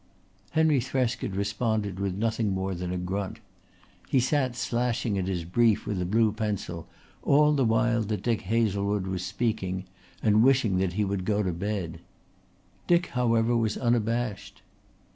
Henry Thresk had responded with nothing more than a grunt. He sat slashing at his brief with a blue pencil, all the while that Dick Hazlewood was speaking, and wishing that he would go to bed. Dick however was unabashed.